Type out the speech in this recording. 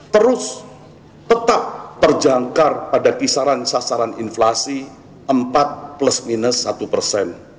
terus tetap terjangkar pada kisaran sasaran inflasi empat plus minus satu persen